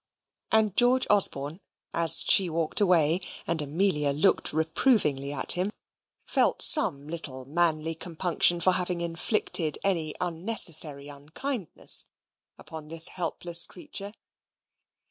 And George Osborne, as she walked away and Amelia looked reprovingly at him felt some little manly compunction for having inflicted any unnecessary unkindness upon this helpless creature.